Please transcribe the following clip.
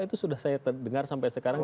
itu sudah saya dengar sampai sekarang